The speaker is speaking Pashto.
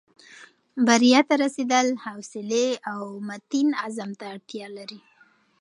بریا ته رسېدل صبر، حوصلې او متین عزم ته اړتیا لري.